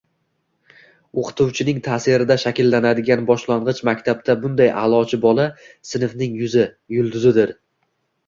o‘qituvchining taʼsirida shakllanadigan boshlang‘ich maktabda bunday aʼlochi bola – sinfning yuzi, yulduzidir.